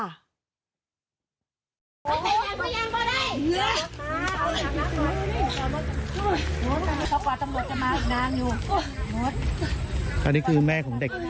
อันนี้คือแม่ของเด็ก